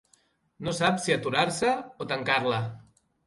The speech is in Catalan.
No sap si aturar-se a tancar-la.